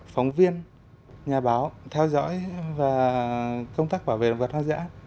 phóng viên nhà báo theo dõi và công tác bảo vệ động vật hoang dã